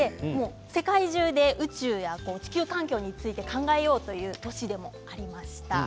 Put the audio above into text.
世界中で宇宙や地球環境について考えようという年でもありました。